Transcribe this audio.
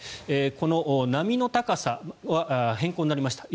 この波の高さは変更になりました